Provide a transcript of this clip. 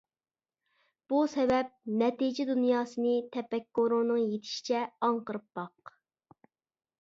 بۇ سەۋەب-نەتىجە دۇنياسىنى تەپەككۇرۇڭنىڭ يېتىشىچە ئاڭقىرىپ باق.